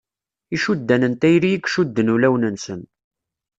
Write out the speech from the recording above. Icuddan n tayri i icudden ulawen-nsen.